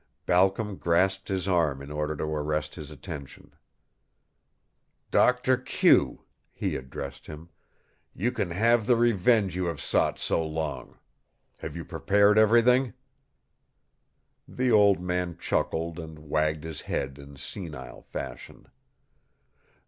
Balcom grasped his arm in order to arrest his attention. "Doctor Q," he addressed him, "you can have the revenge you have sought so long. Have you prepared everything?" The old man chuckled and wagged his head in senile fashion.